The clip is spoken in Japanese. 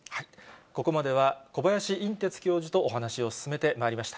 ここまでは小林寅てつ教授とお話を進めてまいりました。